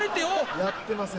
やってません。